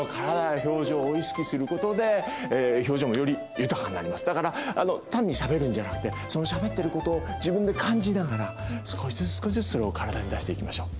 やっぱりねだから単にしゃべるんじゃなくてそのしゃべってることを自分で感じながら少しずつ少しずつそれを体に出していきましょう。